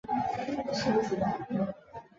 日语的赏花一般指的是赏樱。